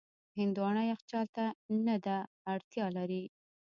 هندوانه یخچال ته نه ده اړتیا لري.